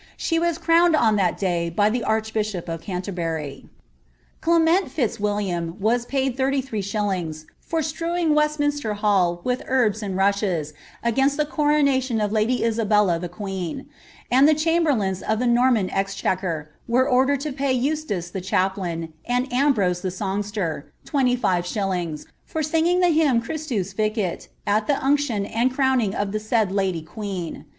"' She was crowned on tliat day by the archbishop of Ganterbury. Clement Fitz William was paid thirty three shillings, for strewing Westminster Hall with herbs and rushes, against the coronation of lady Isabella the queen; and the chamberlains of the Norman excliet^uer ^ere ordered to pay Eustace the chaplain, and Ambrose the songster, twenty 6ve shillings, for singing the hymn Christus rici/, at the unction «nd crowning of the said lady queen.